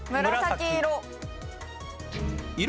紫色。